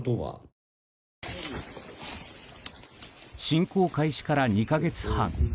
侵攻開始から２か月半。